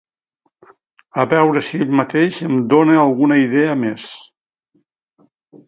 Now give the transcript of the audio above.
A veure si ell mateix em dona alguna idea més!